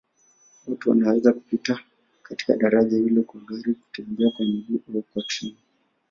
Watu wanaweza kupita katika daraja hilo kwa gari, kutembea kwa miguu au kwa treni.